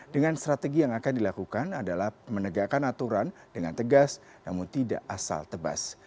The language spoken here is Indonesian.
dengan strategi yang akan dilakukan adalah menegakkan aturan dengan tegas namun tidak asal tebas